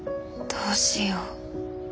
どうしよう。